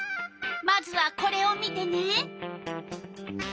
まずはこれを見てね。